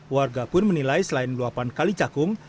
warga pun menilai selain luapan kali cakung